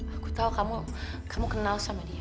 aku tahu kamu kenal sama dia